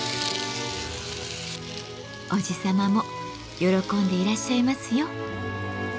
おじ様も喜んでいらっしゃいますよ。